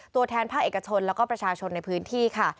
ตัวแทนภาคเอกชนแล้วก็ประชาชนในพื้นที่ค่ะ